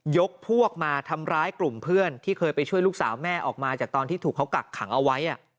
ยกพวกมาทำร้ายกลุ่มเพื่อนที่เคยไปช่วยลูกสาวแม่ออกมาจากตอนที่ถูกเขากักขังเอาไว้